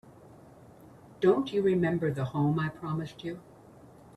Don't you remember the home I promised you?